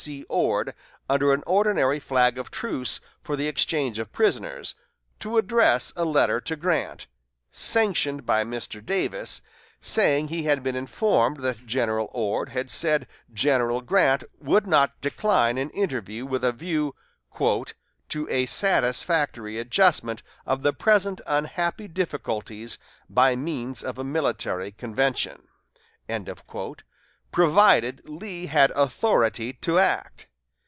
C. Ord under an ordinary flag of truce for the exchange of prisoners, to address a letter to Grant, sanctioned by Mr. Davis, saying he had been informed that General Ord had said General Grant would not decline an interview with a view "to a satisfactory adjustment of the present unhappy difficulties by means of a military convention," provided Lee had authority to act.